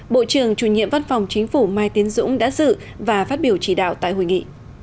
bộ trưởng chủ nhiệm văn phòng chính phủ mai tiến dũng đã dự và phát biểu chỉ đạo tại hội nghị